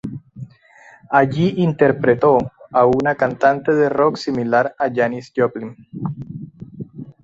Allí interpretó a una cantante de rock similar a Janis Joplin.